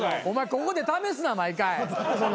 ここで試すな毎回。